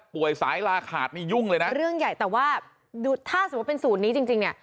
ป่วยสายลาขาดนี่ยุ่งเลยนะเรื่องใหญ่แต่ว่าถ้าเป็นสูตรนี้จริง